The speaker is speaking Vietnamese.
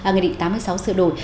ngày định tám mươi sáu sửa đổi